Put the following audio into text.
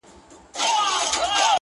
سونډان مي سوى وكړي-